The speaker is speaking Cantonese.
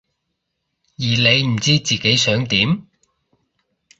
而你唔知自己想點？